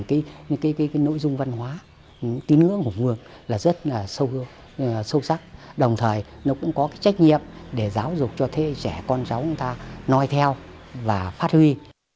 cái nội dung văn hóa tín ngưỡng hùng vương là rất là sâu sắc đồng thời nó cũng có cái trách nhiệm để giáo dục cho thế trẻ con cháu chúng ta nói theo và phát huy